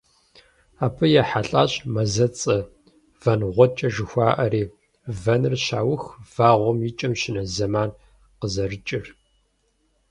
Абы ехьэлӀащ мазэцӀэ - ВэнгъуэкӀэ жыхуаӀэри: вэныр щаух, вэгъуэм и кӀэм щынэс зэман къызэрыкӀыр.